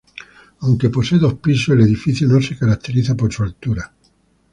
Aunque posee dos pisos, el edificio no se caracteriza por su altura.